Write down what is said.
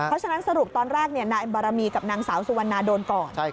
เพราะฉะนั้นสรุปตอนแรกนายบารมีกับนางสาวสุวรรณาโดนก่อน